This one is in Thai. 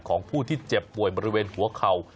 ของผู้ที่เจ็บป่วยบริเวณหัวเข่า